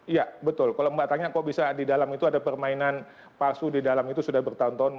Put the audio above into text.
iya betul kalau mbak tanya kok bisa di dalam itu ada permainan palsu di dalam itu sudah bertahun tahun